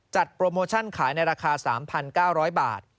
โปรโมชั่นขายในราคา๓๙๐๐บาท